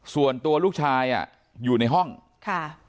ส่วนตัวลูกชายอ่ะอยู่ในห้องค่ะ